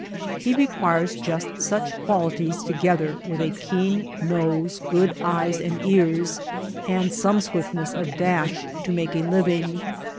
He re quires just such qualities together with a keen nose, good eyes and ears, and some swiftness of dash to make a living.